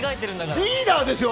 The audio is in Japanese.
リーダーですよ